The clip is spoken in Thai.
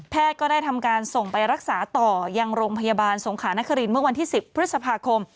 ก็ได้ทำการส่งไปรักษาต่อยังโรงพยาบาลสงขานครินเมื่อวันที่๑๐พฤษภาคม